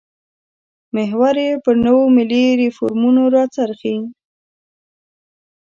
محور یې پر نویو ملي ریفورمونو راڅرخي.